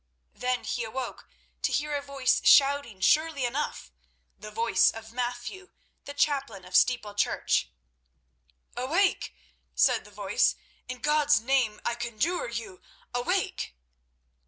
Then he awoke to hear a voice shouting surely enough—the voice of Matthew, the chaplain of Steeple Church. "Awake!" said the voice. "In God's name, I conjure you, awake!"